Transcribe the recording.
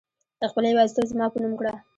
خپل يوازيتوب زما په نوم کړه